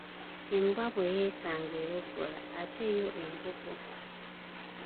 Embwa bwe yeekanga eboggola ate yo enkoko?